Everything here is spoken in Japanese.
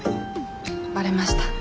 バレました？